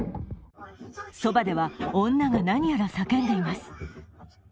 そばでは女が何やら叫んでいます。